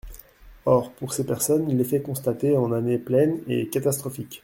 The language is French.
Or, pour ces personnes, l’effet constaté en année pleine est catastrophique.